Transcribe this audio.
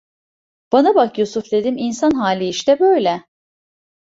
Bana bak Yusuf, dedim, insan hali işte böyle.